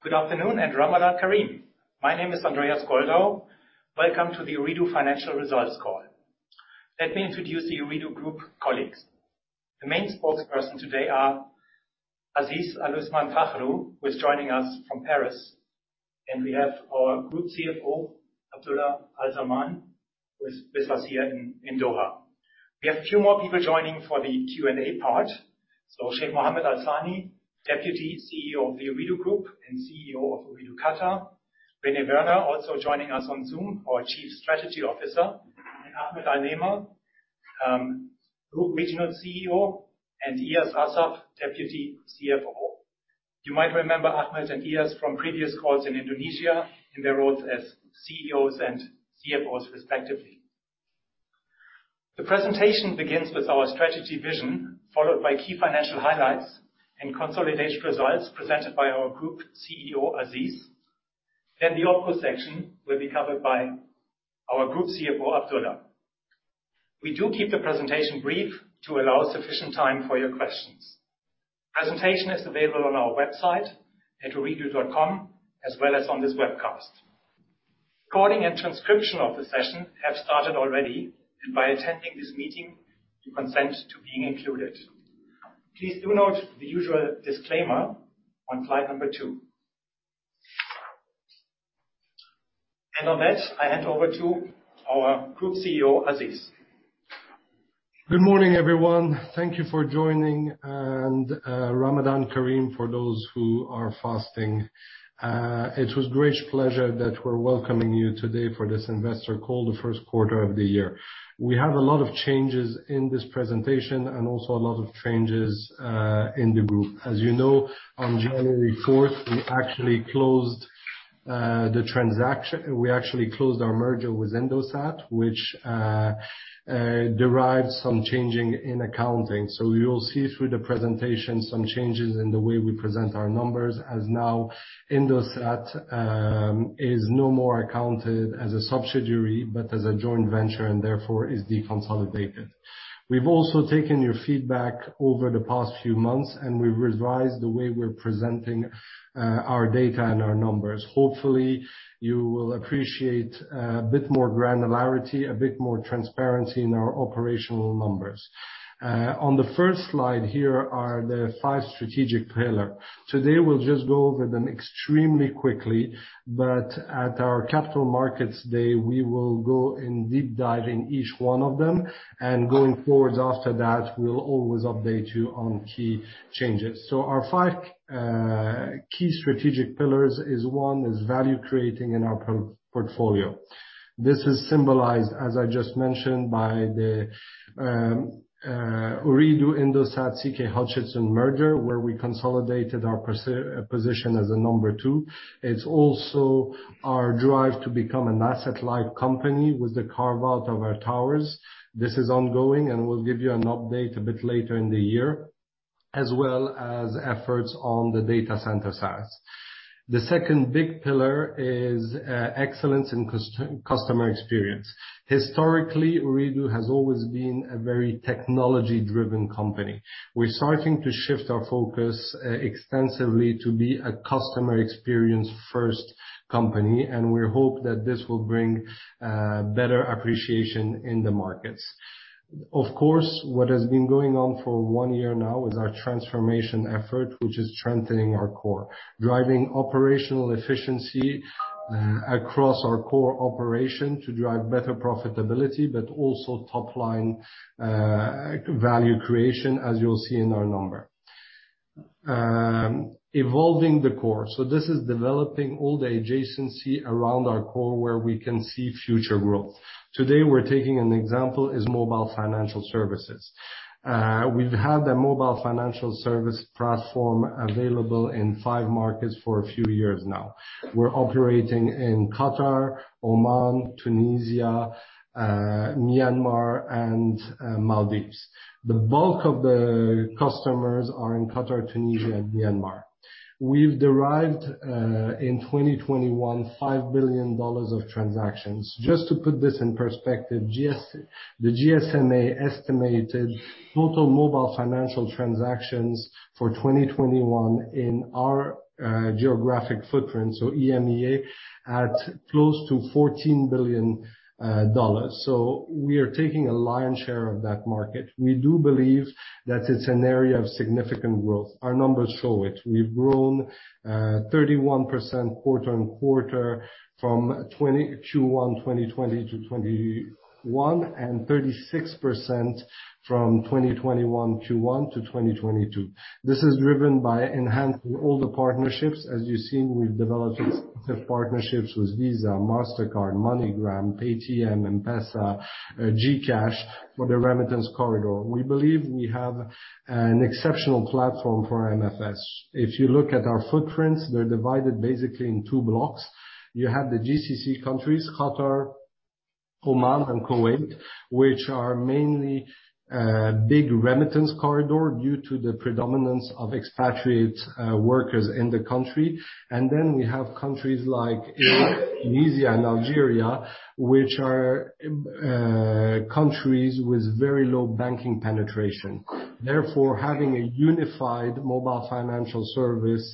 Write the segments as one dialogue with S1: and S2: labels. S1: Good afternoon and Ramadan Kareem. My name is Andreas Goldau. Welcome to the Ooredoo Financial Results call. Let me introduce the Ooredoo Group colleagues. The main spokesperson today are Aziz Aluthman Fakhroo who is joining us from Paris, and we have our group CFO, Abdulla Al-Zaman who is with us here in Doha. We have a few more people joining for the Q&A part. Sheikh Mohammed Al Thani, Deputy CEO of the Ooredoo Group and CEO of Ooredoo Qatar. René Werner, also joining us on Zoom, our Chief Strategy Officer. Ahmad Al-Neama, Group Regional CEO, and Eyas Assaf, Deputy CFO. You might remember Ahmed and Eyas from previous calls in Indonesia in their roles as CEOs and CFOs respectively. The presentation begins with our strategy vision, followed by key financial highlights and consolidation results presented by our group CEO, Aziz. The OpCo section will be covered by our Group CFO, Abdulla. We do keep the presentation brief to allow sufficient time for your questions. Presentation is available on our website at Ooredoo.com as well as on this webcast. Recording and transcription of the session have started already, and by attending this meeting, you consent to being included. Please do note the usual disclaimer on slide number two. On that, I hand over to our Group CEO, Aziz.
S2: Good morning, everyone. Thank you for joining and Ramadan Kareem for those who are fasting. It was a great pleasure that we're welcoming you today for this investor call, the first quarter of the year. We have a lot of changes in this presentation and also a lot of changes in the group. As you know, on January 4, we actually closed our merger with Indosat, which drives some changes in accounting. So you'll see through the presentation some changes in the way we present our numbers as now Indosat is no more accounted as a subsidiary, but as a joint venture and therefore is deconsolidated. We've also taken your feedback over the past few months, and we've revised the way we're presenting our data and our numbers. Hopefully, you will appreciate a bit more granularity, a bit more transparency in our operational numbers. On the first slide, here are the five strategic pillars. Today, we'll just go over them extremely quickly, but at our Capital Markets Day, we will go into a deep dive in each one of them. Going forwards after that, we'll always update you on key changes. Our five key strategic pillars is one, value creation in our portfolio. This is symbolized, as I just mentioned, by the Ooredoo Indosat CK Hutchison merger, where we consolidated our position as a number two. It's also our drive to become an asset-light company with the carve-out of our towers. This is ongoing, and we'll give you an update a bit later in the year, as well as efforts on the data center side. The second big pillar is excellence in customer experience. Historically, Ooredoo has always been a very technology-driven company. We're starting to shift our focus extensively to be a customer experience first company, and we hope that this will bring better appreciation in the markets. Of course, what has been going on for one year now is our transformation effort, which is strengthening our core. Driving operational efficiency across our core operation to drive better profitability, but also top line value creation, as you'll see in our number. Evolving the core. This is developing all the adjacency around our core where we can see future growth. Today, we're taking an example is mobile financial services. We've had a mobile financial service platform available in five markets for a few years now. We're operating in Qatar, Oman, Tunisia, Myanmar and Maldives. The bulk of the customers are in Qatar, Tunisia and Myanmar. We've derived in 2021 $5 billion of transactions. Just to put this in perspective, The GSMA estimated total mobile financial transactions for 2021 in our geographic footprint, so EMEA at close to $14 billion. We are taking a lion's share of that market. We do believe that it's an area of significant growth. Our numbers show it. We've grown 31% quarter-on-quarter from 2020 to 2021 and 36% from 2021 to 2022. This is driven by enhancing all the partnerships. As you've seen, we've developed partnerships with Visa, Mastercard, MoneyGram, Paytm, M-PESA, GCash for the remittance corridor. We believe we have an exceptional platform for MFS. If you look at our footprints, they're divided basically in two blocks. You have the GCC countries, Qatar, Oman and Kuwait, which are mainly big remittance corridor due to the predominance of expatriate workers in the country. Then we have countries like Tunisia and Algeria, which are countries with very low banking penetration. Therefore, having a unified mobile financial service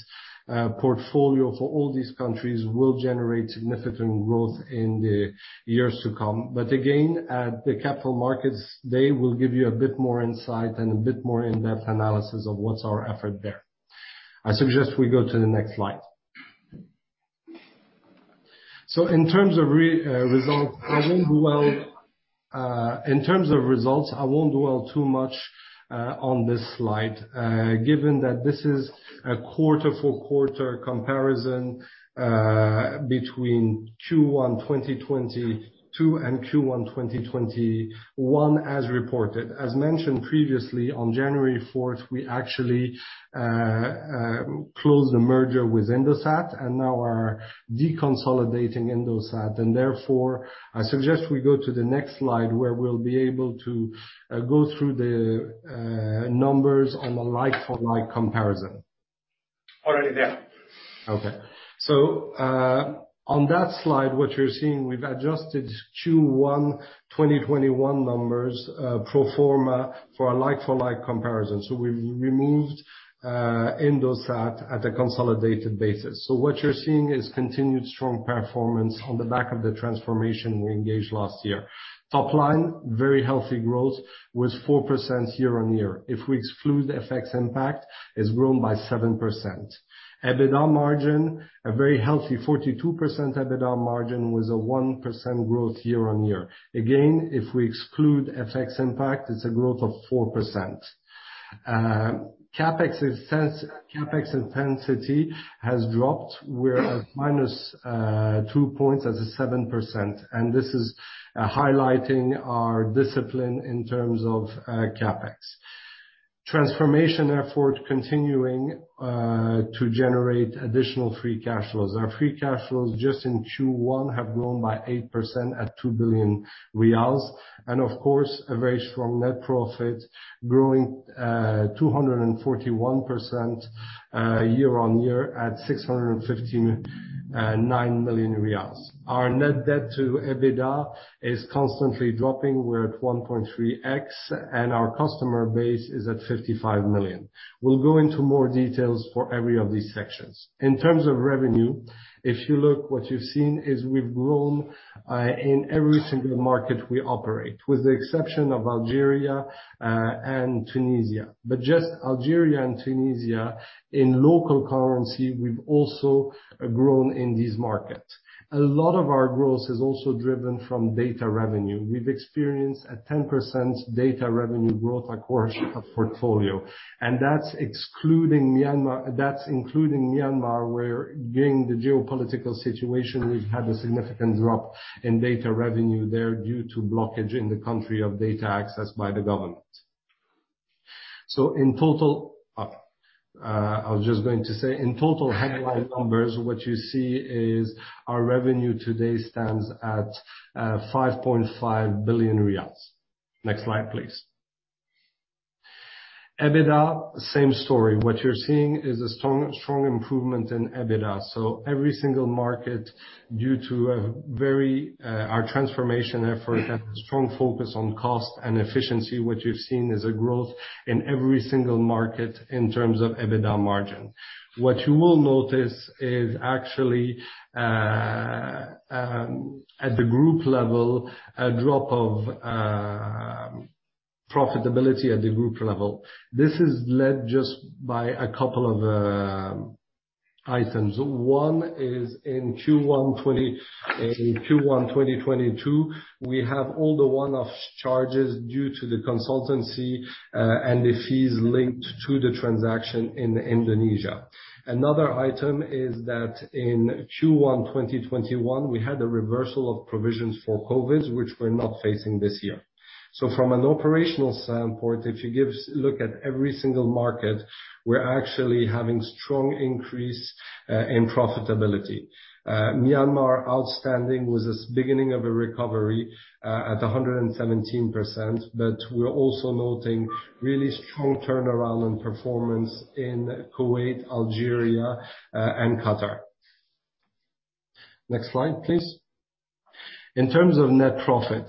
S2: portfolio for all these countries will generate significant growth in the years to come. Again, at the capital markets, they will give you a bit more insight and a bit more in-depth analysis of what's our effort there. I suggest we go to the next slide. In terms of results, I won't dwell. In terms of results, I won't dwell too much on this slide, given that this is a quarter-for-quarter comparison between Q1 2022 and Q1 2021 as reported. As mentioned previously, on January 4th, we actually closed the merger with Indosat and now are deconsolidating Indosat. Therefore, I suggest we go to the next slide, where we'll be able to go through the numbers on a like-for-like comparison.
S3: Already there.
S2: Okay. On that slide, what you're seeing, we've adjusted Q1 2021 numbers, pro forma for a like-for-like comparison. We've removed Indosat at a consolidated basis. What you're seeing is continued strong performance on the back of the transformation we engaged last year. Top line, very healthy growth, was 4% year-on-year. If we exclude FX impact, it's grown by 7%. EBITDA margin, a very healthy 42% EBITDA margin with a 1% growth year-on-year. Again, if we exclude FX impact, it's a growth of 4%. CapEx intensity has dropped. We're at minus 2 points at a 7%, and this is highlighting our discipline in terms of CapEx. Transformation effort continuing to generate additional free cash flows. Our free cash flows just in Q1 have grown by 8% at 2 billion riyals. Of course, a very strong net profit growing 241% year-on-year at 659 million riyals. Our net debt to EBITDA is constantly dropping. We're at 1.3x, and our customer base is at 55 million. We'll go into more details for every of these sections. In terms of revenue, if you look, what you've seen is we've grown in every single market we operate, with the exception of Algeria and Tunisia. But just Algeria and Tunisia, in local currency, we've also grown in these markets. A lot of our growth is also driven from data revenue. We've experienced a 10% data revenue growth across our portfolio, and that's excluding Myanmar, that's including Myanmar, where given the geopolitical situation, we've had a significant drop in data revenue there due to blockage in the country of data access by the government. In total headline numbers, what you see is our revenue today stands at 5.5 billion riyals. Next slide, please. EBITDA, same story. What you're seeing is a strong improvement in EBITDA. Every single market, due to our transformation effort and strong focus on cost and efficiency, what you've seen is a growth in every single market in terms of EBITDA margin. What you will notice is actually, at the group level, a drop of profitability at the group level. This is led just by a couple of items. One is in Q1 2022, we have all the one-off charges due to the consultancy and the fees linked to the transaction in Indonesia. Another item is that in Q1 2021, we had a reversal of provisions for COVID, which we're not facing this year. From an operational standpoint, look at every single market, we're actually having strong increase in profitability. Myanmar outstanding with this beginning of a recovery at 117%, but we're also noting really strong turnaround and performance in Kuwait, Algeria, and Qatar. Next slide, please. In terms of net profit,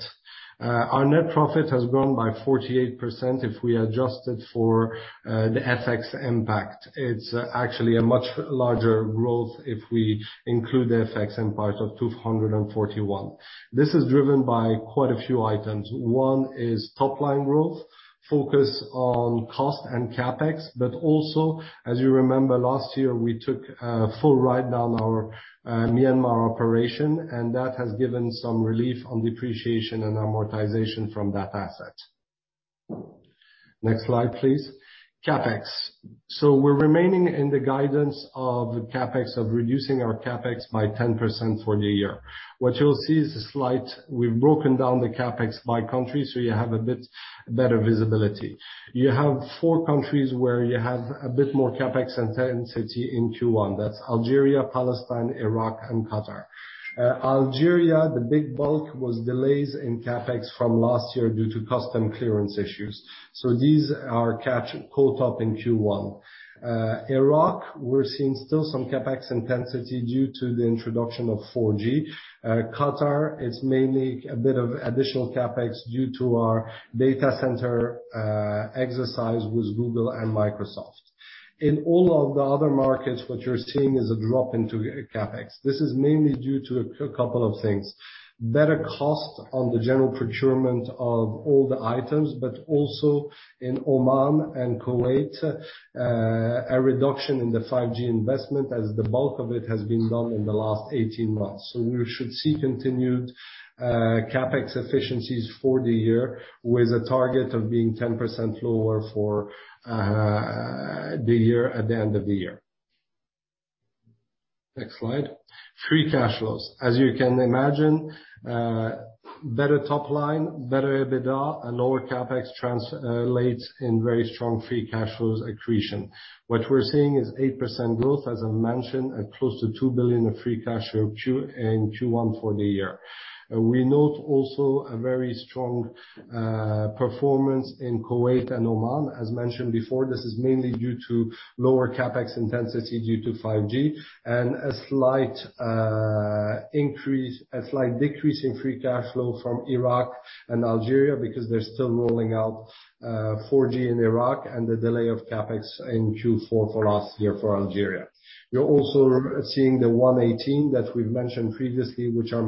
S2: our net profit has grown by 48% if we adjust it for the FX impact. It's actually a much larger growth if we include the FX impact of 241%. This is driven by quite a few items. One is top-line growth, focus on cost and CapEx, but also, as you remember, last year, we took a full write-down our Myanmar operation, and that has given some relief on depreciation and amortization from that asset. Next slide, please. CapEx. We're remaining in the guidance of CapEx, of reducing our CapEx by 10% for the year. What you'll see is. We've broken down the CapEx by country, so you have a bit better visibility. You have four countries where you have a bit more CapEx intensity in Q1. That's Algeria, Palestine, Iraq, and Qatar. Algeria, the big bulk was delays in CapEx from last year due to customs clearance issues. These are caught up in Q1. Iraq, we're seeing still some CapEx intensity due to the introduction of 4G. Qatar is mainly a bit of additional CapEx due to our data center exercise with Google and Microsoft. In all of the other markets, what you're seeing is a drop into CapEx. This is mainly due to a couple of things. Better cost on the general procurement of all the items, but also in Oman and Kuwait, a reduction in the 5G investment as the bulk of it has been done in the last 18 months. We should see continued CapEx efficiencies for the year with a target of being 10% lower for the year at the end of the year. Next slide. Free cash flows. As you can imagine, better top line, better EBITDA and lower CapEx translates into very strong free cash flows accretion. What we're seeing is 8% growth, as I mentioned, and close to 2 billion of free cash flow in Q1 for the year. We note also a very strong performance in Kuwait and Oman. As mentioned before, this is mainly due to lower CapEx intensity due to 5G and a slight decrease in free cash flow from Iraq and Algeria because they're still rolling out 4G in Iraq and the delay of CapEx in Q4 for us here for Algeria. You're also seeing the 118 million that we've mentioned previously, which are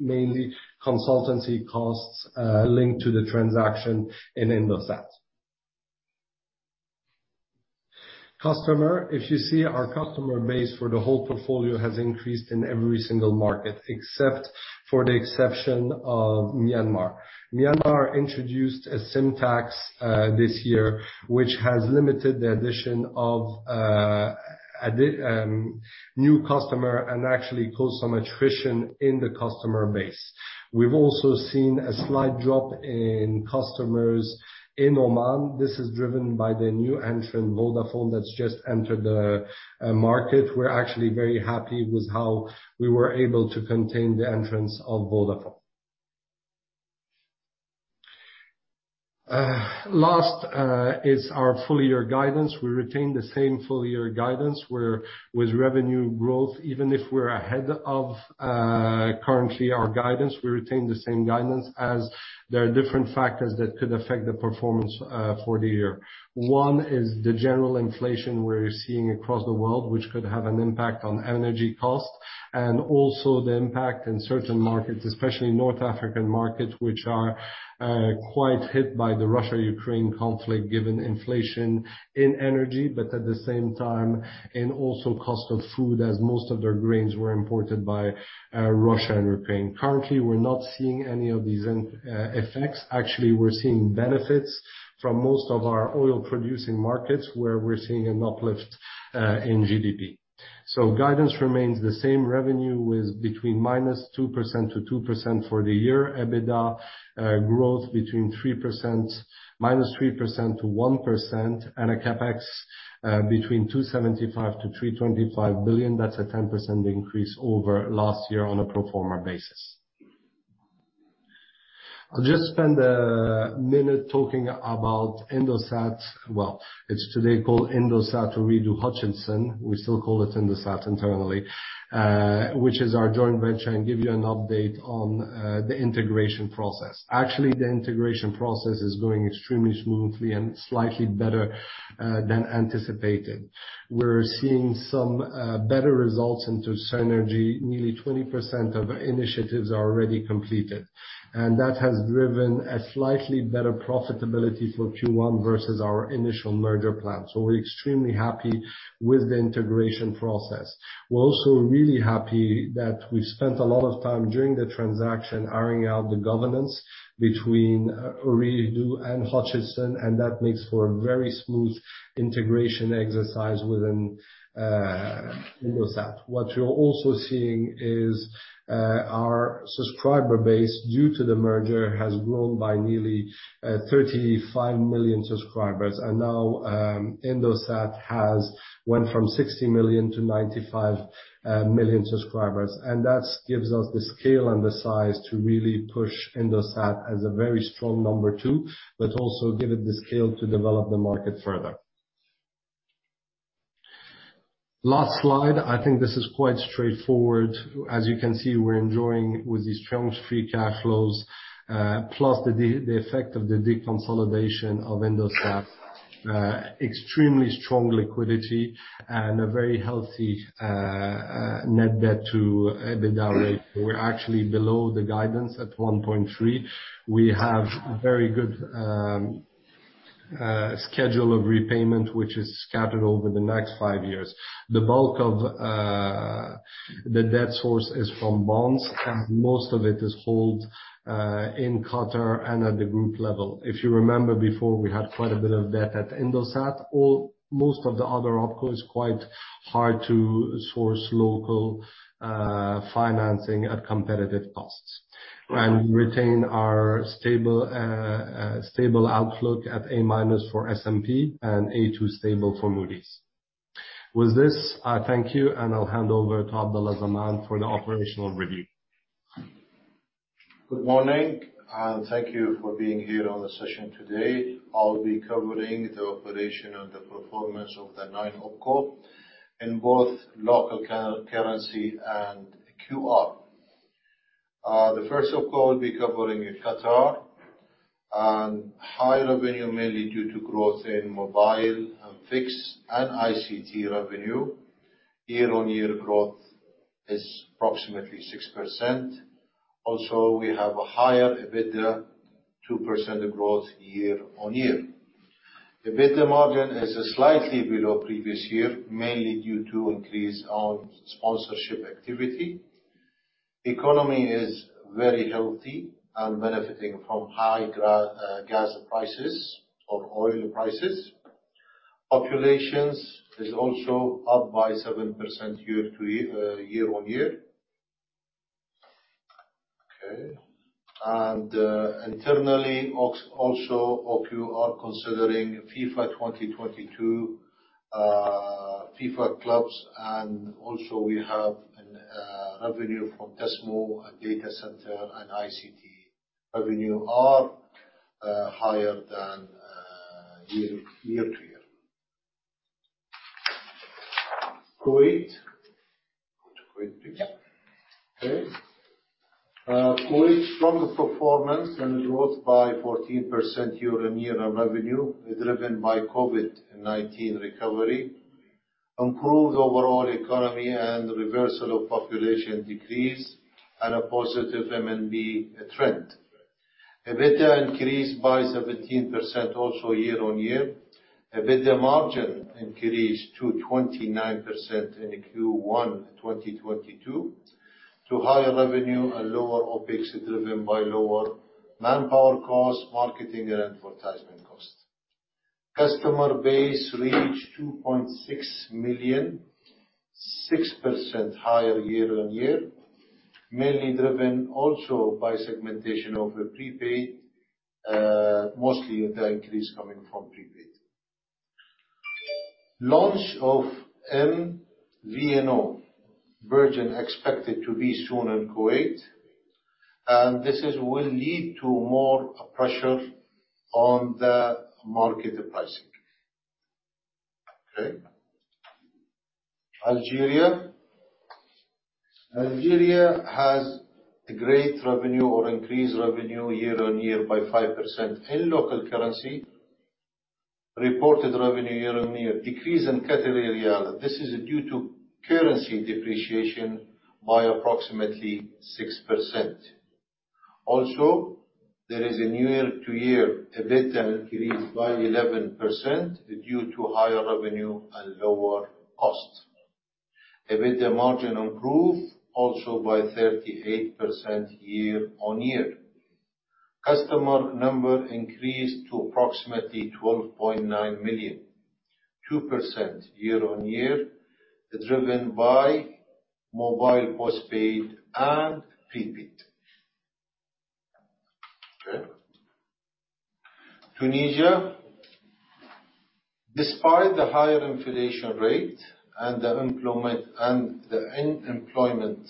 S2: mainly consultancy costs linked to the transaction in Indosat. If you see our customer base for the whole portfolio has increased in every single market, except for the exception of Myanmar. Myanmar introduced a SIM tax this year, which has limited the addition of new customer and actually caused some attrition in the customer base. We've also seen a slight drop in customers in Oman. This is driven by the new entrant, Vodafone, that's just entered the market. We're actually very happy with how we were able to contain the entrance of Vodafone. Last is our full year guidance. We retain the same full year guidance, where with revenue growth, even if we're ahead of currently our guidance, we retain the same guidance as there are different factors that could affect the performance for the year. One is the general inflation we're seeing across the world, which could have an impact on energy costs, and also the impact in certain markets, especially North African markets, which are quite hit by the Russia-Ukraine conflict, given inflation in energy, but at the same time, and also cost of food, as most of their grains were imported by Russia and Ukraine. Currently, we're not seeing any of these effects. Actually, we're seeing benefits from most of our oil-producing markets, where we're seeing an uplift in GDP. Guidance remains the same. Revenue is between -2% to 2% for the year. EBITDA growth between -3% to 1%, and CapEx between 2.75 billion-3.25 billion. That's a 10% increase over last year on a pro forma basis. I'll just spend a minute talking about Indosat. Well, it's today called Indosat Ooredoo Hutchison. We still call it Indosat internally, which is our joint venture, and give you an update on the integration process. Actually, the integration process is going extremely smoothly and slightly better than anticipated. We're seeing some better results into synergy. Nearly 20% of initiatives are already completed, and that has driven a slightly better profitability for Q1 versus our initial merger plan. We're extremely happy with the integration process. We're also really happy that we spent a lot of time during the transaction ironing out the governance between Ooredoo and Hutchison, and that makes for a very smooth integration exercise within Indosat. What you're also seeing is our subscriber base, due to the merger, has grown by nearly 35 million subscribers. Now, Indosat has went from 60 million to 95 million subscribers. That's gives us the scale and the size to really push Indosat as a very strong number two, but also give it the scale to develop the market further. Last slide. I think this is quite straightforward. As you can see, we're enjoying with these strong free cash flows, plus the effect of the deconsolidation of Indosat, extremely strong liquidity and a very healthy net debt to EBITDA rate. We're actually below the guidance at 1.3x. We have very good schedule of repayment, which is scattered over the next five years. The bulk of the debt source is from bonds, and most of it is held in Qatar and at the group level. If you remember before, we had quite a bit of debt at Indosat. Most of the other opco is quite hard to source local financing at competitive costs. Retain our stable outlook at A- for S&P and A2 stable for Moody's. With this, I thank you, and I'll hand over to Abdulla Al-Zaman for the operational review.
S4: Good morning, and thank you for being here on the session today. I'll be covering the operation and the performance of the nine opco in both local currency and QAR. The first opco I'll be covering is Qatar and higher revenue mainly due to growth in mobile and fixed and ICT revenue. Year-on-year growth is approximately 6%. Also, we have a higher EBITDA, 2% growth year-on-year. EBITDA margin is slightly below previous year, mainly due to increase on sponsorship activity. Economy is very healthy and benefiting from high gas prices or oil prices. Population is also up by 7% year on year. Okay. Internally, also Ooredoo Qatar are considering FIFA 2022, FIFA clubs and also we have revenue from customer and data center and ICT. Revenue are higher than year to year. Kuwait. Go to Kuwait please. Okay. Kuwait, strong performance and growth by 14% year-on-year on revenue is driven by COVID-19 recovery, improved overall economy and reversal of population decrease and a positive MNP trend. EBITDA increased by 17% also year-on-year. EBITDA margin increased to 29% in Q1 2022 through higher revenue and lower OpEx driven by lower manpower costs, marketing and advertisement costs. Customer base reached 2.6 million, 6% higher year-on-year, mainly driven also by segmentation of a prepaid, mostly the increase coming from prepaid. Launch of MVNO version expected to be soon in Kuwait, and this will lead to more pressure on the market pricing. Okay. Algeria has increased revenue year-on-year by 5% in local currency. Reported revenue year-on-year decrease in Qatari riyal. This is due to currency depreciation by approximately 6%. There is a year-over-year EBITDA increase by 11% due to higher revenue and lower costs. EBITDA margin improved also by 38% year-over-year. Customer number increased to approximately 12.9 million, 2% year-over-year, driven by mobile postpaid and prepaid. Okay. Tunisia. Despite the higher inflation rate and the unemployment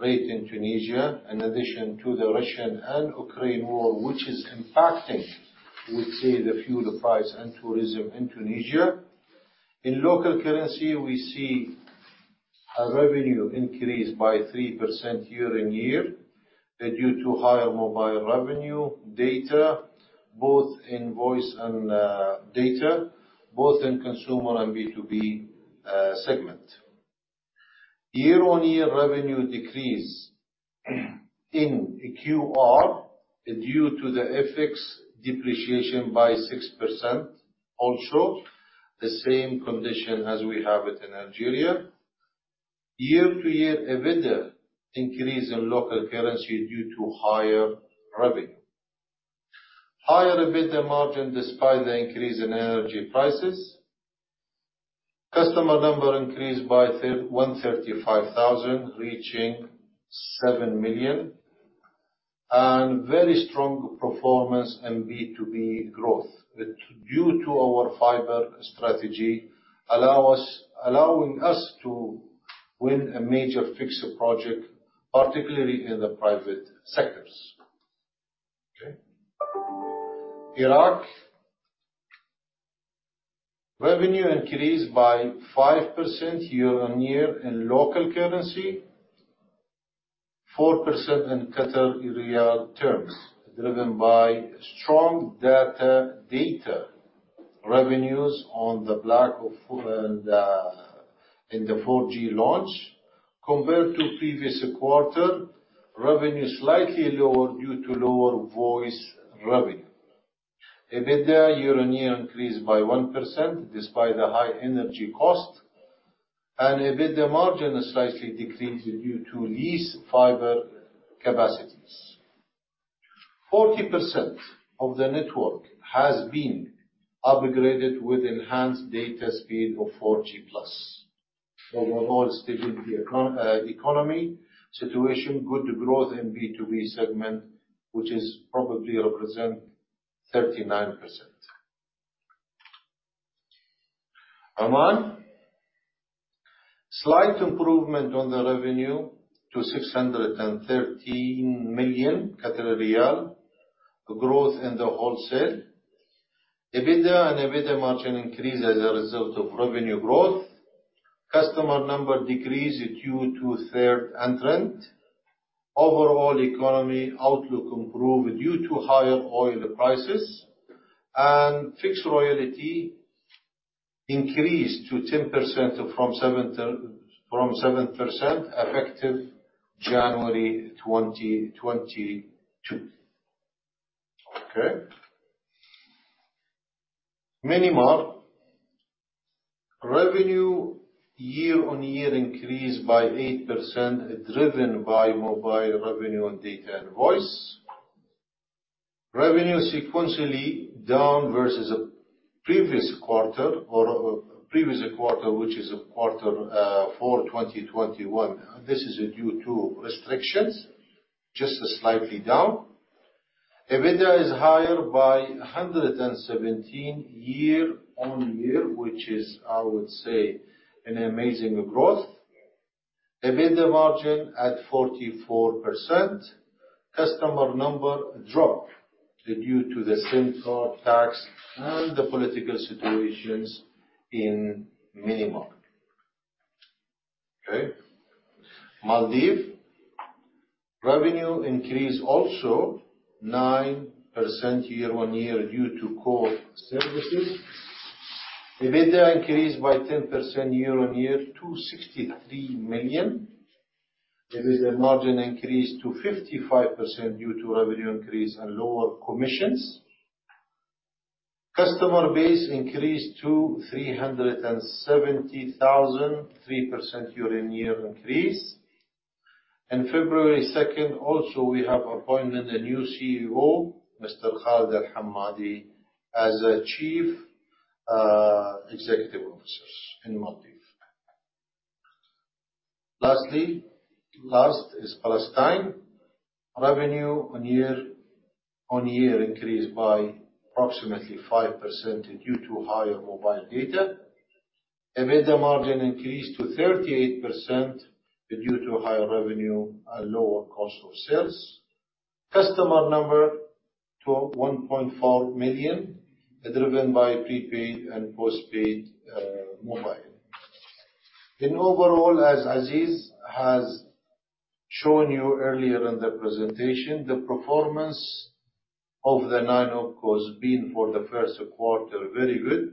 S4: rate in Tunisia, in addition to the Russia-Ukraine war, which is impacting the fuel price and tourism in Tunisia. In local currency, we see a revenue increase by 3% year-over-year due to higher mobile revenue data, both in voice and data, both in consumer and B2B segment. Year-on-year revenue decrease in QAR due to the FX depreciation by 6%. The same condition as we have it in Algeria. Year-to-year EBITDA increase in local currency due to higher revenue. Higher EBITDA margin despite the increase in energy prices. Customer number increased by 135,000, reaching 7 million. Very strong performance in B2B growth due to our fiber strategy allowing us to win a major fixed project, particularly in the private sectors. Okay. Iraq. Revenue increased by 5% year-over-year in local currency, 4% in QAR terms, driven by strong data revenues on the back of the 4G launch. Compared to previous quarter, revenue slightly lower due to lower voice revenue. EBITDA year-over-year increased by 1% despite the high energy cost, and EBITDA margin slightly decreased due to leased fiber capacities. 40% of the network has been upgraded with enhanced data speed of 4G+. The overall stable economy situation, good growth in B2B segment, which probably represents 39%. Oman. Slight improvement on the revenue to 613 million. Growth in the wholesale. EBITDA and EBITDA margin increase as a result of revenue growth. Customer number decrease due to third entrant. Overall economy outlook improve due to higher oil prices. Fixed royalty increased to 10% from 7% effective January 2022. Myanmar. Revenue year-on-year increased by 8%, driven by mobile revenue and data and voice. Revenue sequentially down versus Q4 2021. This is due to restrictions, just slightly down. EBITDA is higher by 117% year-on-year, which is, I would say, an amazing growth. EBITDA margin at 44%. Customer number dropped due to the SIM card tax and the political situations in Myanmar. Maldives. Revenue increased also 9% year-on-year due to core services. EBITDA increased by 10% year-on-year to 63 million. EBITDA margin increased to 55% due to revenue increase and lower commissions. Customer base increased to 370,000, 3% year-on-year increase. In February 2, also, we have appointed a new CEO, Mr. Khalid Al-Hamadi, as a chief executive officers in Maldives. Lastly, Palestine. Revenue year-on-year increased by approximately 5% due to higher mobile data. EBITDA margin increased to 38% due to higher revenue and lower cost of sales. Customer number to 1.4 million, driven by prepaid and postpaid mobile. Overall, as Aziz has shown you earlier in the presentation, the performance of the 9 opcos been for the first quarter very good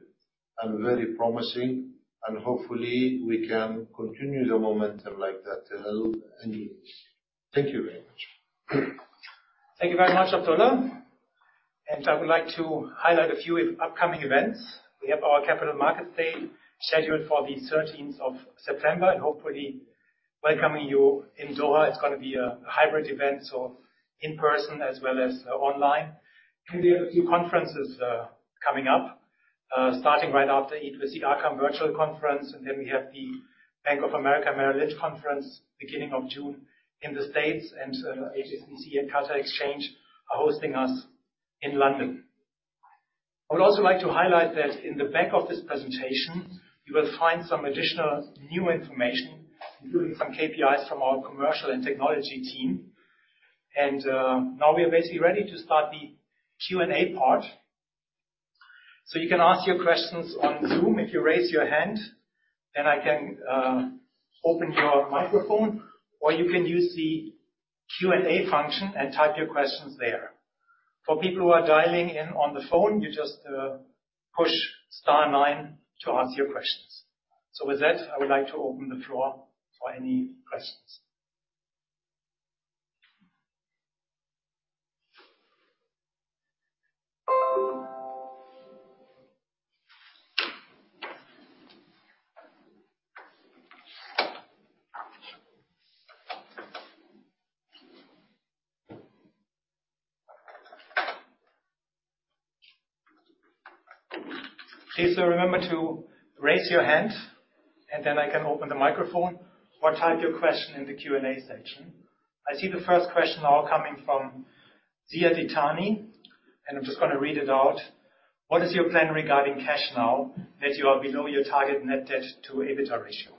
S4: and very promising, and hopefully we can continue the momentum like that a little anyways. Thank you very much.
S1: Thank you very much, Abdulla. I would like to highlight a few upcoming events. We have our Capital Markets Day scheduled for the 13th of September, and hopefully welcoming you in Doha. It's gonna be a hybrid event, so in person as well as online. We have a few conferences coming up starting right after EFG Arqaam Virtual Conference, and then we have the Bank of America Merrill Lynch conference beginning of June in the States. HSBC and Qatar Exchange are hosting us in London. I would also like to highlight that in the back of this presentation, you will find some additional new information, including some KPIs from our commercial and technology team. Now we are basically ready to start the Q&A part. You can ask your questions on Zoom. If you raise your hand, then I can open your microphone, or you can use the Q&A function and type your questions there. For people who are dialing in on the phone, you just push star nine to ask your questions. With that, I would like to open the floor for any questions. Please remember to raise your hand, and then I can open the microphone or type your question in the Q&A section. I see the first question coming from Ziad Itani, and I'm just gonna read it out. What is your plan regarding cash now that you are below your target net debt to EBITDA ratio?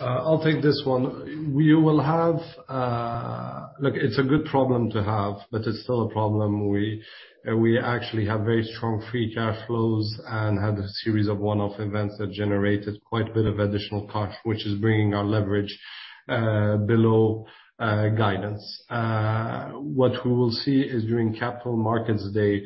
S2: I'll take this one. Look, it's a good problem to have, but it's still a problem. We actually have very strong free cash flows and had a series of one-off events that generated quite a bit of additional cash, which is bringing our leverage below guidance. What we will see is during Capital Markets Day,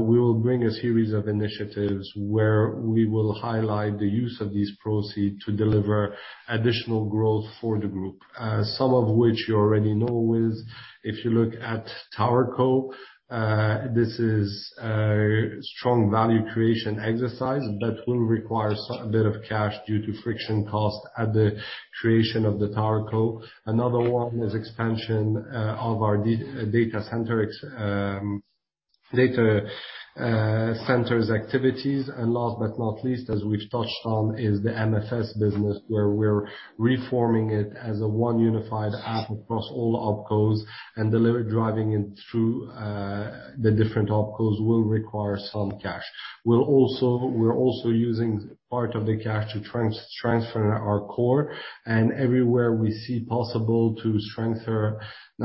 S2: we will bring a series of initiatives where we will highlight the use of these proceeds to deliver additional growth for the group. Some of which you already know is if you look at TowerCo, this is a strong value creation exercise that will require a bit of cash due to friction costs at the creation of the TowerCo. Another one is expansion of our data centers activities. Last but not least, as we've touched on, is the MFS business where we're reforming it as a one unified app across all opcos and delivering and driving it through the different opcos will require some cash. We're also using part of the cash to transfer our core and everywhere we see possible to strengthen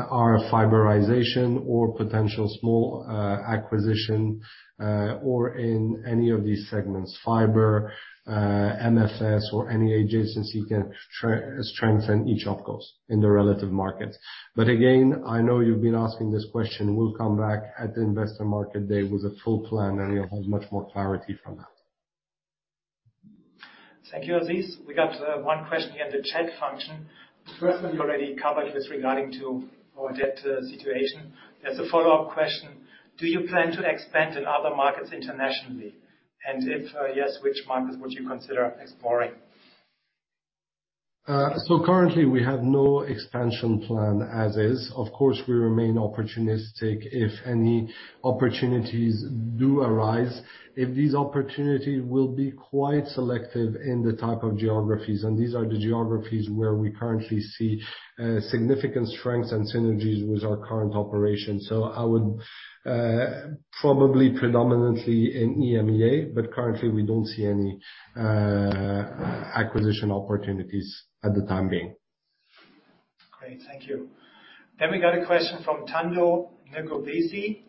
S2: our fiberization or potential small acquisition or in any of these segments, fiber, MFS or any adjacency can strengthen each opcos in the relative markets. Again, I know you've been asking this question, we'll come back at the Investor Market Day with a full plan, and you'll have much more clarity from that.
S1: Thank you, Aziz. We got one question here in the chat function. The first one you already covered with regard to our debt situation. As a follow-up question: Do you plan to expand in other markets internationally? And if yes, which markets would you consider exploring?
S2: Currently we have no expansion plan as is. Of course, we remain opportunistic if any opportunities do arise. If these opportunity will be quite selective in the type of geographies, and these are the geographies where we currently see significant strengths and synergies with our current operations. I would probably predominantly in EMEA, but currently we don't see any acquisition opportunities at the time being.
S1: Great. Thank you. We got a question from Thando Ncobesi.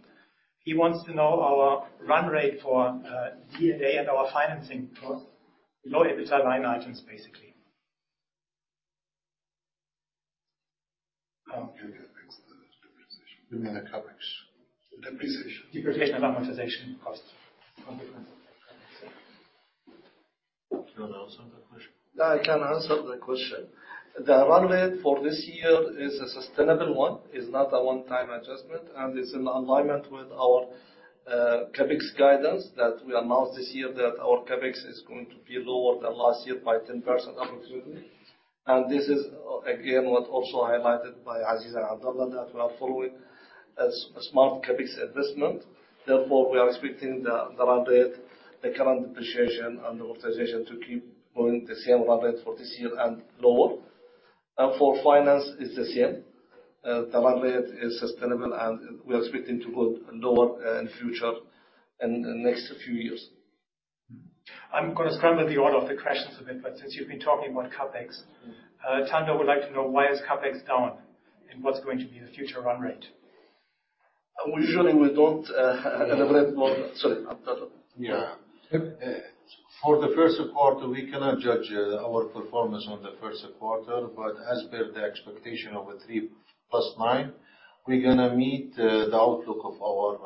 S1: He wants to know our run rate for D&A and our financing costs. Low EBITDA line items, basically.
S2: CapEx. Depreciation.
S4: You mean the CapEx depreciation.
S1: Depreciation and amortization costs.
S2: You want to answer that question?
S4: I can answer the question. The run rate for this year is a sustainable one. It's not a one-time adjustment, and it's in alignment with our CapEx guidance that we announced this year that our CapEx is going to be lower than last year by 10% approximately. This is, again, what also highlighted by Aziz and Abdullah that we are following a smart CapEx investment. Therefore, we are expecting the run rate, the current depreciation and amortization to keep going the same run rate for this year and lower. For finance is the same. The run rate is sustainable, and we are expecting to go lower in future and next few years.
S1: I'm gonna scramble the order of the questions a bit, but since you've been talking about CapEx, Thando would like to know why is CapEx down, and what's going to be the future run rate?
S4: Usually we don't elaborate more. Sorry, Abdulla.
S2: Yeah. For the first quarter, we cannot judge our performance on the first quarter, but as per the expectation of a 3+9, we're gonna meet the outlook of our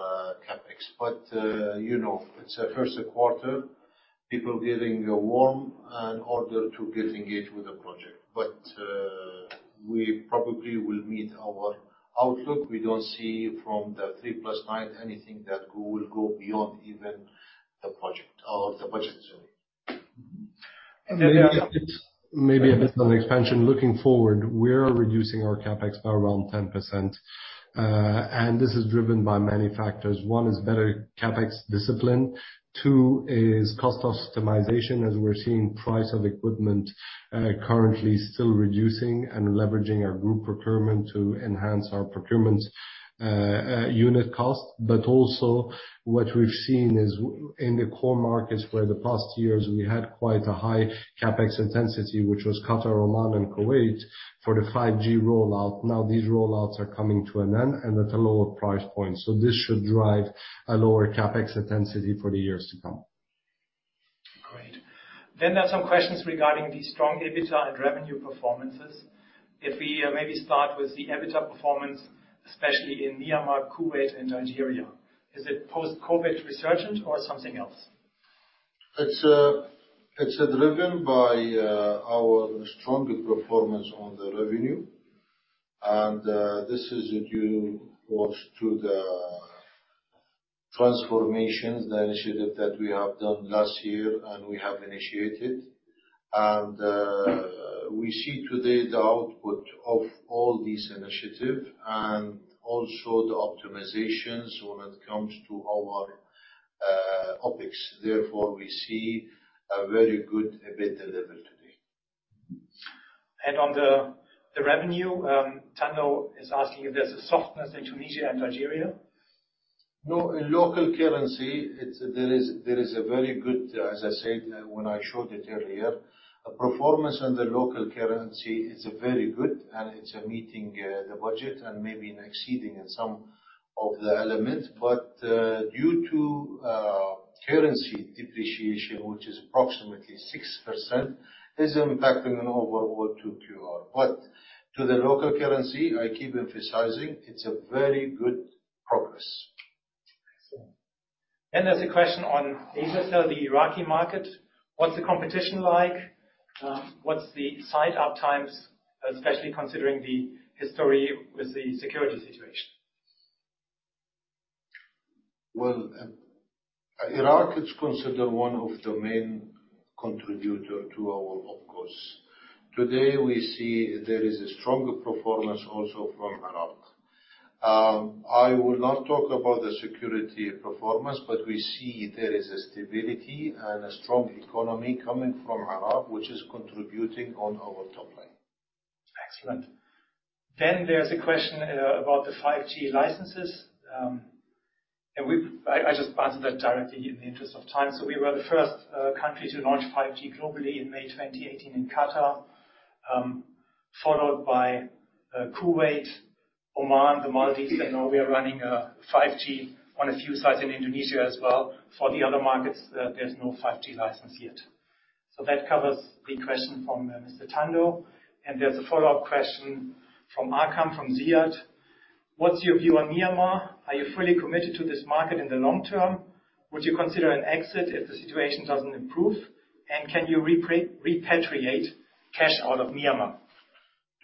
S2: CapEx. You know, it's a first quarter, people getting warmed up in order to get engaged with the project. We probably will meet our outlook. We don't see from the 3+9 anything that we will go beyond even the project or the budget, sorry.
S1: And then.
S2: Maybe a bit on the expansion. Looking forward, we are reducing our CapEx by around 10%. This is driven by many factors. One is better CapEx discipline. Two is cost optimization, as we're seeing price of equipment, currently still reducing and leveraging our group procurement to enhance our procurement, unit cost. But also, what we've seen is in the core markets where the past years we had quite a high CapEx intensity, which was Qatar, Oman and Kuwait for the 5G rollout. Now these rollouts are coming to an end and at a lower price point. This should drive a lower CapEx intensity for the years to come.
S1: Great. There's some questions regarding the strong EBITDA and revenue performances. If we, maybe start with the EBITDA performance, especially in Myanmar, Kuwait and Algeria. Is it post-COVID resurgent or something else?
S4: It's driven by our stronger performance on the revenue. This is due, of course, to the transformations, the initiative that we have done last year and we have initiated. We see today the output of all these initiative and also the optimizations when it comes to our OpEx. Therefore, we see a very good EBITDA level today.
S1: On the revenue, Thando is asking if there's a softness in Tunisia and Algeria.
S4: No. In local currency, there is a very good, as I said when I showed it earlier, a performance in the local currency is very good, and it's meeting the budget and maybe exceeding in some of the elements. Due to currency depreciation, which is approximately 6%, is impacting on overall QAR. To the local currency, I keep emphasizing, it's a very good progress.
S1: Excellent. There's a question on Asiacell, the Iraqi market. What's the competition like? What's the site uptimes, especially considering the history with the security situation?
S4: Iraq is considered one of the main contributor to our OpEx. Today, we see there is a stronger performance also from Iraq. I will not talk about the security performance, but we see there is a stability and a strong economy coming from Iraq, which is contributing on our top line.
S1: Excellent. There's a question about the 5G licenses. I just answered that directly in the interest of time. We were the first country to launch 5G globally in May 2018 in Qatar, followed by Kuwait, Oman, the Maldives, and now we are running 5G on a few sites in Indonesia as well. For the other markets, there's no 5G license yet. That covers the question from Mr. Thando. There's a follow-up question from Arqaam, from Ziad Itani. What's your view on Myanmar? Are you fully committed to this market in the long term? Would you consider an exit if the situation doesn't improve? And can you repatriate cash out of Myanmar?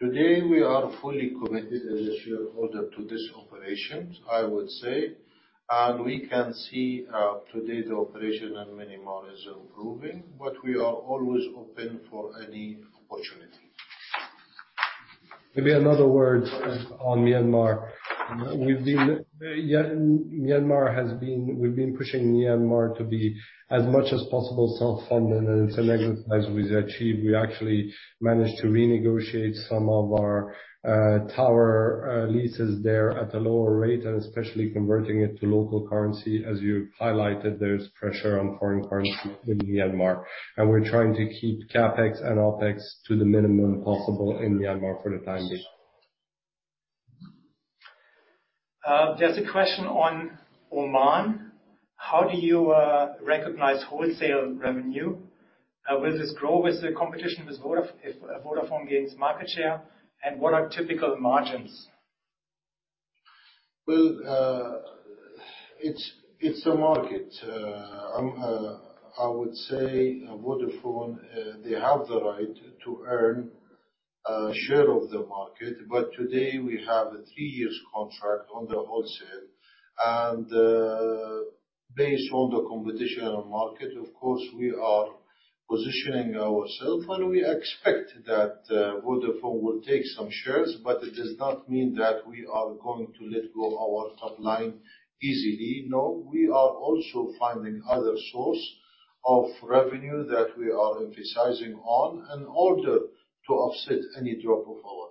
S2: Today, we are fully committed as a shareholder to this operations, I would say. We can see today the operation in Myanmar is improving, but we are always open for any opportunity. Maybe another word on Myanmar. We've been pushing Myanmar to be as much as possible self-funded, and it's an exercise we achieved. We actually managed to renegotiate some of our tower leases there at a lower rate, and especially converting it to local currency. As you highlighted, there's pressure on foreign currency in Myanmar, and we're trying to keep CapEx and OpEx to the minimum possible in Myanmar for the time being.
S1: There's a question on Oman. How do you recognize wholesale revenue? Will this grow with the competition with Vodafone if Vodafone gains market share, and what are typical margins?
S4: Well, it's a market. I would say Vodafone, they have the right to earn a share of the market, but today we have a three years contract on the wholesale. Based on the competition on the market, of course, we are positioning ourselves, and we expect that Vodafone will take some shares, but it does not mean that we are going to let go our top line easily. No. We are also finding other source of revenue that we are emphasizing on in order to offset any drop of our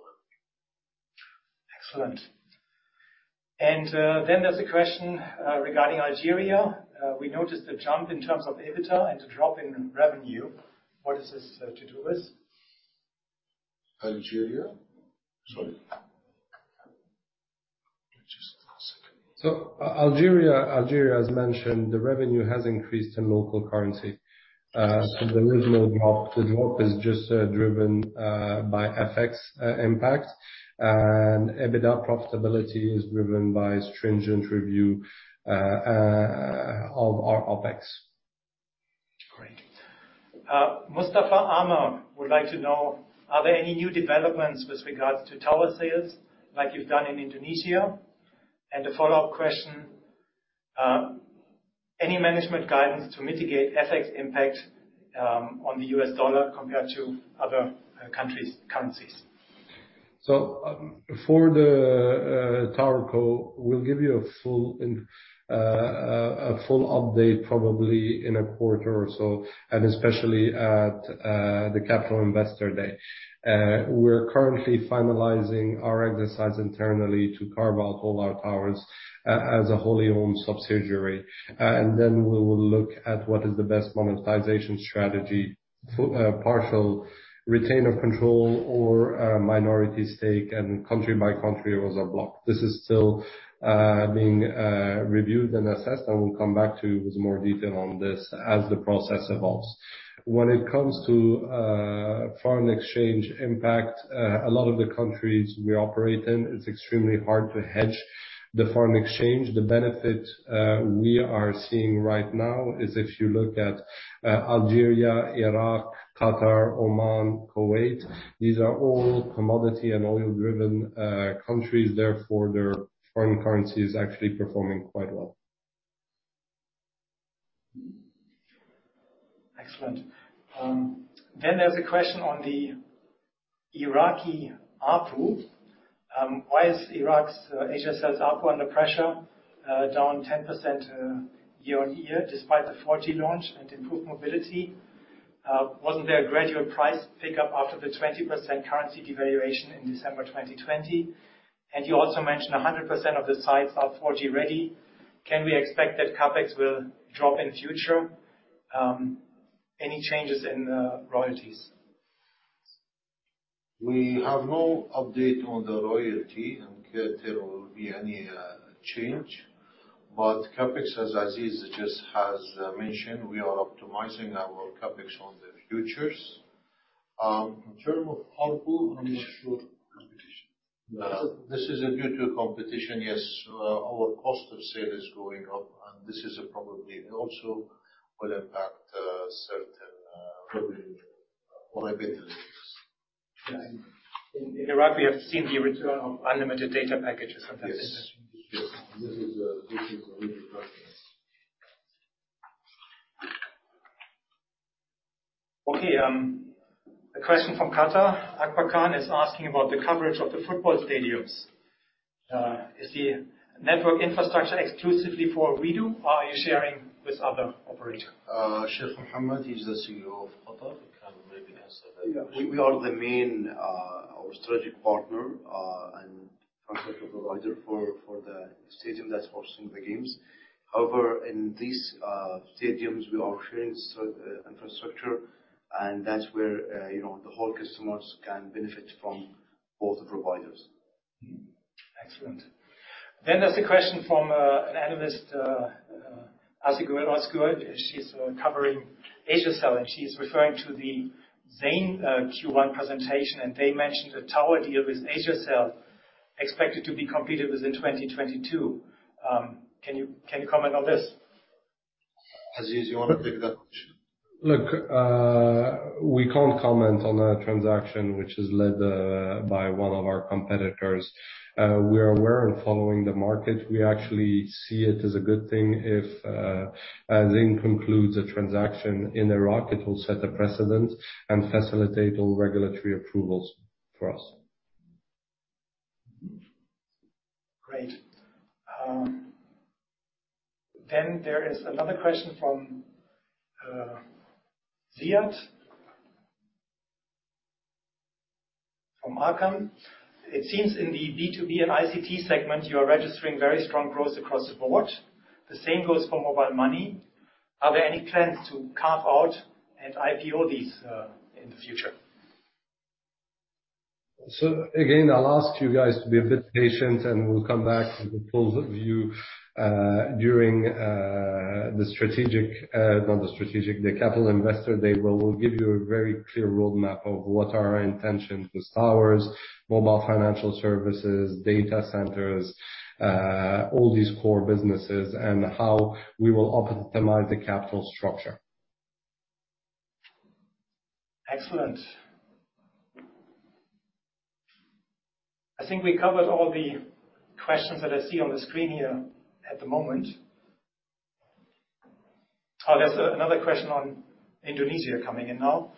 S4: market.
S1: Excellent. There's a question regarding Algeria. We noticed a jump in terms of EBITDA and a drop in revenue. What is this due to?
S4: Algeria? Sorry.
S2: Algeria, as mentioned, the revenue has increased in local currency. There is no drop. The drop is just driven by FX impact. EBITDA profitability is driven by stringent review of our OpEx.
S1: Great. Mustafa Amar would like to know, are there any new developments with regards to tower sales like you've done in Indonesia? A follow-up question, any management guidance to mitigate FX impact on the US dollar compared to other countries' currencies?
S2: For the TowerCo, we'll give you a full update probably in a quarter or so, and especially at the Capital Investor Day. We're currently finalizing our exercise internally to carve out all our towers as a wholly owned subsidiary. Then we will look at what is the best monetization strategy, partial retention of control or a minority stake and country by country or as a block. This is still being reviewed and assessed, and we'll come back to you with more detail on this as the process evolves. When it comes to foreign exchange impact, a lot of the countries we operate in, it's extremely hard to hedge the foreign exchange. The benefit we are seeing right now is if you look at Algeria, Iraq, Qatar, Oman, Kuwait, these are all commodity and oil-driven countries, therefore, their foreign currency is actually performing quite well.
S1: Excellent. Then there's a question on the Iraqi ARPU. Why is Iraq's Asiacell's ARPU under pressure, down 10%, year-on-year, despite the 4G launch and improved mobility? Wasn't there a gradual price pick up after the 20% currency devaluation in December 2020? You also mentioned 100% of the sites are 4G ready. Can we expect that CapEx will drop in future? Any changes in royalties?
S4: We have no update on the royalty and if there will be any change. CapEx, as Aziz just has mentioned, we are optimizing our CapEx on the futures. In terms of ARPU, I'm not sure.
S2: Competition.
S4: This is due to competition, yes. Our cost of sale is going up, and this is a probably also will impact certain revenue or EBITDA releases.
S1: In Iraq, we have seen the return of unlimited data packages sometimes.
S4: Yes. This is a recent development.
S1: A question from Qatar. Akber Khan is asking about the coverage of the football stadiums. Is the network infrastructure exclusively for Ooredoo, or are you sharing with other operators?
S4: Sheikh Mohammed, he's the CEO of Ooredoo Qatar. He can maybe answer that question.
S5: We are the main or strategic partner and service provider for the stadium that's hosting the games. However, in these stadiums we are sharing shared infrastructure and that's where you know all customers can benefit from both providers.
S1: Excellent. There's the question from an analyst, Aysegul Ozge Elgun. She's covering Asiacell, and she's referring to the Zain Q1 presentation. They mentioned a tower deal with Asiacell expected to be completed within 2022. Can you comment on this?
S3: Aziz, you wanna pick that question?
S2: Look, we can't comment on a transaction which is led by one of our competitors. We are aware and following the market. We actually see it as a good thing if Zain concludes a transaction in Iraq. It will set a precedent and facilitate all regulatory approvals for us.
S1: Great. There is another question from Ziad Itani from Arqaam. It seems in the B2B and ICT segment you are registering very strong growth across the board. The same goes for mobile money. Are there any plans to carve out and IPO these in the future?
S2: Again, I'll ask you guys to be a bit patient, and we'll come back with a full view during the Capital Investor Day. We'll give you a very clear roadmap of what our intention with towers, mobile financial services, data centers, all these core businesses and how we will optimize the capital structure.
S1: Excellent. I think we covered all the questions that I see on the screen here at the moment. Oh, there's another question on Indonesia coming in now.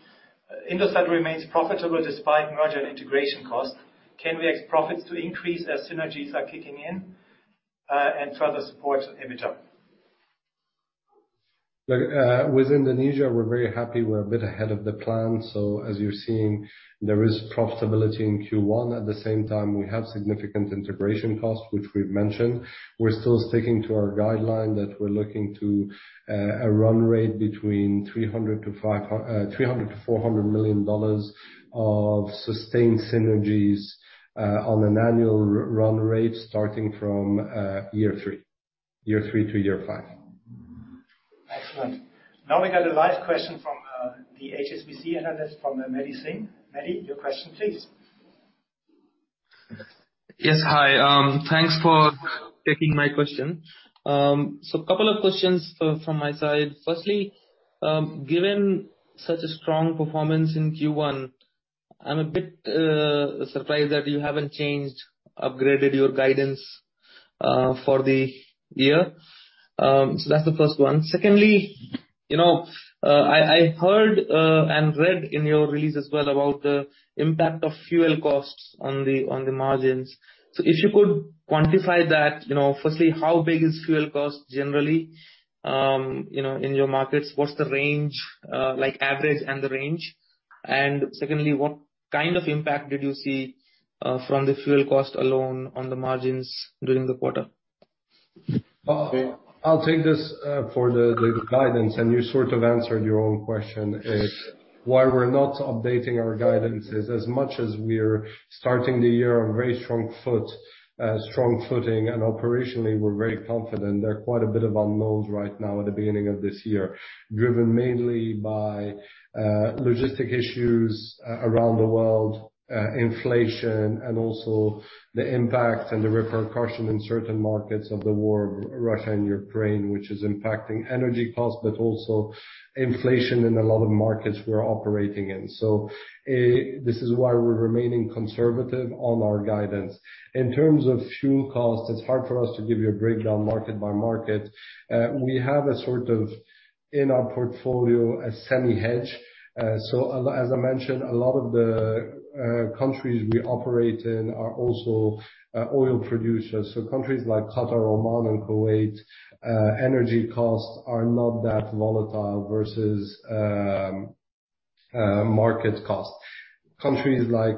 S1: Indosat remains profitable despite merger integration costs. Can we expect profits to increase as synergies are kicking in, and further support EBITDA?
S2: Look, with Indonesia, we're very happy we're a bit ahead of the plan. As you're seeing, there is profitability in Q1. At the same time, we have significant integration costs, which we've mentioned. We're still sticking to our guideline that we're looking to a run rate between $300 million-$400 million of sustained synergies on an annual run rate starting from year three. Year three to year five.
S1: Excellent. Now we got a live question from, the HSBC analyst, from Mehdi Singh. Mehdi, your question, please.
S6: Yes. Hi. Thanks for taking my question. So couple of questions from my side. Firstly, given such a strong performance in Q1, I'm a bit surprised that you haven't changed, upgraded your guidance for the year. So that's the first one. Secondly, you know, I heard and read in your release as well about the impact of fuel costs on the margins. So if you could quantify that, you know, firstly, how big is fuel cost generally, you know, in your markets? What's the range? Like average and the range? And secondly, what kind of impact did you see from the fuel cost alone on the margins during the quarter?
S2: I'll take this for the guidance, and you sort of answered your own question. Why we're not updating our guidance is as much as we're starting the year on very strong footing and operationally we're very confident, there are quite a bit of unknowns right now at the beginning of this year, driven mainly by logistics issues around the world, inflation and also the impact and the repercussion in certain markets of the Russia-Ukraine war, which is impacting energy costs but also inflation in a lot of markets we're operating in. This is why we're remaining conservative on our guidance. In terms of fuel costs, it's hard for us to give you a breakdown market by market. We have sort of in our portfolio a semi hedge. As I mentioned, a lot of the countries we operate in are also oil producers. Countries like Qatar, Oman and Kuwait, energy costs are not that volatile versus market cost. Countries like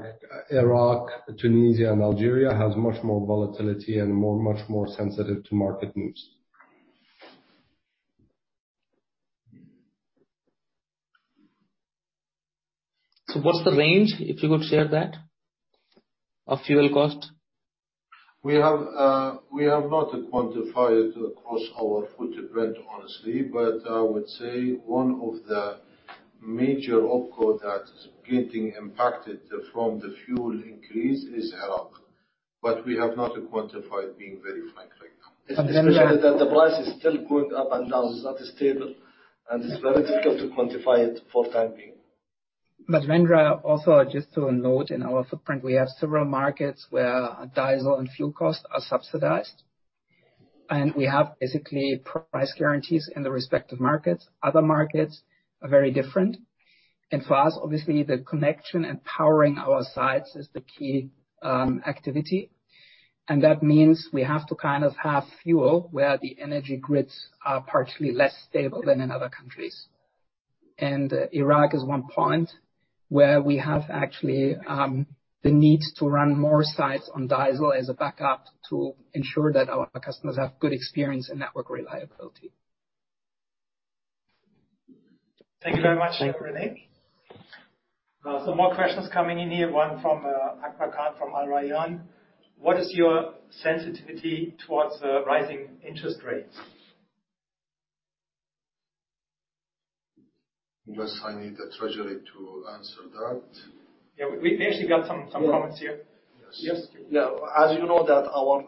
S2: Iraq, Tunisia and Algeria has much more volatility and more, much more sensitive to market moves.
S6: What's the range, if you could share that, of fuel cost?
S2: We have not quantified across our footprint, honestly. I would say one of the major OpCo that is getting impacted from the fuel increase is Iraq. We have not quantified, being very frank right now.
S6: But then.
S3: Especially that the price is still going up and down. It's not stable, and it's very difficult to quantify it for time being.
S7: Vendra, also just to note in our footprint, we have several markets where diesel and fuel costs are subsidized, and we have basically price guarantees in the respective markets. Other markets are very different. For us, obviously the connection and powering our sites is the key activity. That means we have to kind of have fuel where the energy grids are partially less stable than in other countries. Iraq is one point where we have actually the need to run more sites on diesel as a backup to ensure that our customers have good experience and network reliability.
S1: Thank you very much, René. Some more questions coming in here. One from Akber Khan from Al Rayan. What is your sensitivity towards the rising interest rates?
S3: Yes, I need the treasury to answer that.
S1: Yeah. We actually got some comments here.
S3: Yes.
S1: Yes.
S3: As you know that our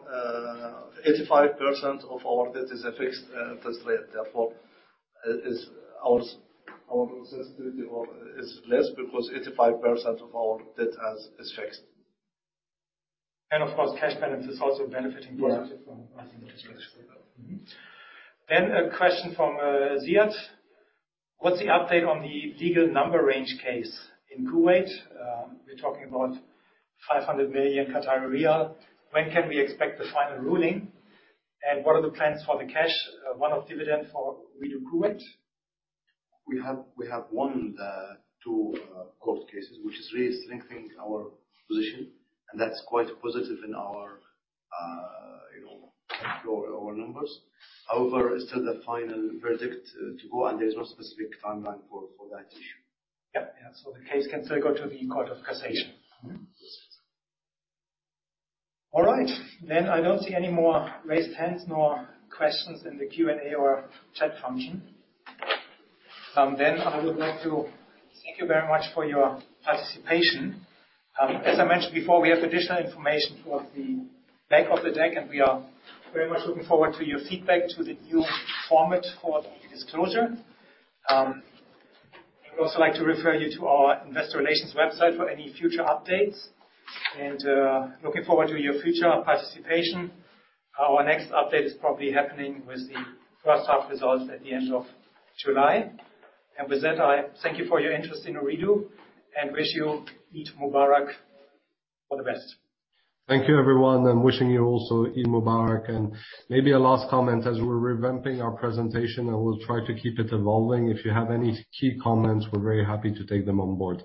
S3: 85% of our debt is a fixed rate. Therefore, our sensitivity is less because 85% of our debt is fixed.
S1: Of course, cash balance is also benefiting.
S3: Right.
S1: Positive from rising interest rates. A question from Ziad Itani. What's the update on the legal number range case in Kuwait? We're talking about 500 million. When can we expect the final ruling, and what are the plans for the cash one-off dividend for Ooredoo Kuwait?
S3: We have won two court cases which is really strengthening our position, and that's quite positive in our you know numbers. However, it's still the final verdict to go, and there's no specific timeline for that issue.
S1: Yeah, the case can still go to the Court of Cassation. All right. I don't see any more raised hands nor questions in the Q&A or chat function. I would like to thank you very much for your participation. As I mentioned before, we have additional information towards the back of the deck, and we are very much looking forward to your feedback to the new format for the disclosure. I'd also like to refer you to our investor relations website for any future updates. Looking forward to your future participation. Our next update is probably happening with the first half results at the end of July. With that, I thank you for your interest in Ooredoo and wish you Eid Mubarak. All the best.
S3: Thank you, everyone, and wishing you also Eid Mubarak. Maybe a last comment, as we're revamping our presentation and we'll try to keep it evolving, if you have any key comments, we're very happy to take them on board.